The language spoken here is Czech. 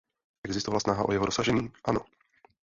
Existovala snaha o jeho dosažení? Ano.